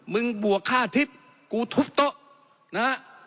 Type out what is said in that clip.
กลัวท์ทริพย์กูทุบโตะ